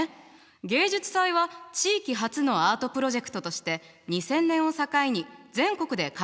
芸術祭は地域発のアートプロジェクトとして２０００年を境に全国で開催されるようになったわ。